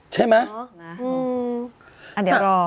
ใช่ไหมอืมอ่ะเดี๋ยวรอ